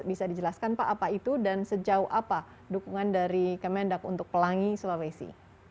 bisa dijelaskan pak apa itu dan sejauh apa dukungan dari kemendak untuk pelangi sulawesi